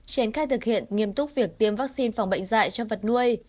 triển khai thực hiện nghiêm túc việc tiêm vaccine phòng bệnh dạy cho vật nuôi